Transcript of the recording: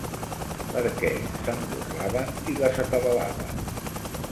Perquè se'n burlaven i les atabalaven.